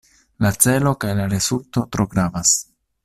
La celo kaj la rezulto tro gravas.